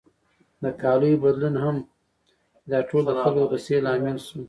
د کالیو بدلون هم چې دا ټول د خلکو د غوسې لامل شو.